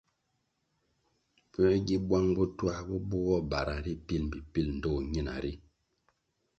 Puē gi bwang bo twā bo bugoh bara ri pil mbpi pil ndtoh ñina ri?